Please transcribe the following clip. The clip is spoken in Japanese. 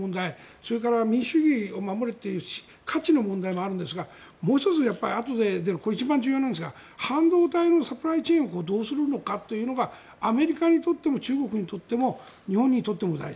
それから民主主義を守れという価値の問題もあるんですがもう１つ、一番重要なんですが半導体のサプライチェーンをどうするのかというのがアメリカにとっても中国にとっても日本にとっても大事。